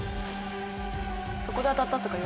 そこで当たったとか。